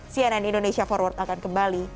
cnn indonesia forward akan kembali